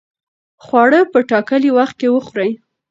خواړه په ټاکلي وخت کې وخورئ.